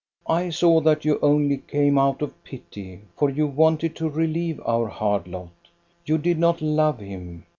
" I saw that you only came out of pity, for you wanted to relieve our hard lot. You did not love him.